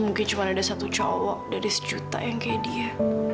mungkin cuma ada satu cowok dari sejuta yang kayak dia